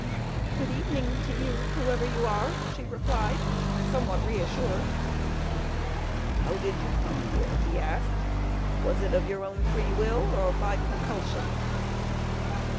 "Good evening to you, whoever you are," she replied, somewhat reassured. "How did you come here?" he asked. "Was it of your own free will, or by compulsion?"